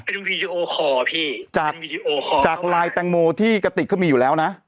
เป็นวีดีโอคอพี่จากจากลายแตงโมที่กติกเขามีอยู่แล้วนะ